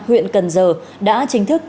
huyện cần giờ đã chính thức